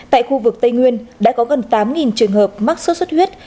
tại khu vực tây nguyên đã có gần tám trường hợp mắc sốt xuất huyết